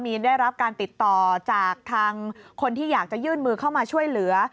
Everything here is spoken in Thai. มีนได้รับการติดต่อจากทางคนที่อยากจะยื่นมือเข้ามาช่วยเหลือ